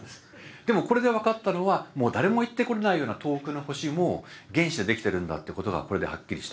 でもこれで分かったのはもう誰も行ってこれないような遠くの星も原子でできてるんだってことがこれではっきりした。